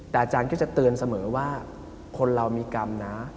แต่อาจารย์ก็จะเตือนเสมอว่าคนเรามีกรรมนะ